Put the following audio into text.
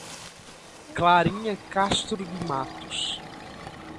Clarinha Castro de Matos